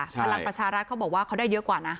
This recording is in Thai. พลังประชารัฐเขาบอกว่าเขาได้เยอะกว่านะ